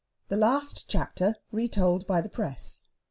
THE LAST CHAPTER RETOLD BY THE PRESS.